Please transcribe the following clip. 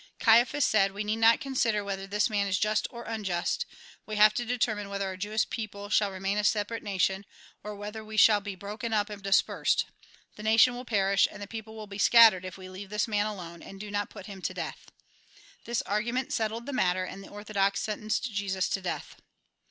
Caiaphas said :" We need not consider whether this man is just or unjust ; we have to determine whether our Jewish people shall remain a separate nation, or whether we shall be broken up and dispersed : the nation will perish, and the people be scattered, if we leave this man alone, and do not put him to death." This argu ment settled the matter, and the orthodox sentenced Jesus to death.